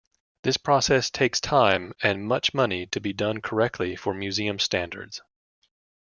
This process takes time and much money to be done correctly for museum standards.